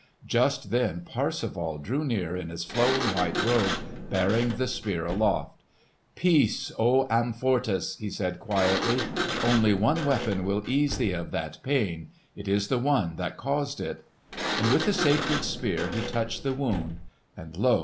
Just then Parsifal drew near in his flowing white robe bearing the Spear aloft. "Peace, O Amfortas!" he said quietly. "Only one weapon will ease thee of that pain: it is the one that caused it." And with the sacred Spear he touched the wound; and lo!